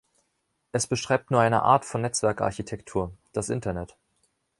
Es beschreibt nur eine Art von Netzwerkarchitektur, das Internet.